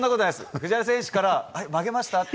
藤原選手から曲げました？って